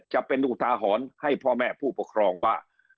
จะเป็นอุทาหรณ์ให้พ่อแม่ผู้ปกครองว่า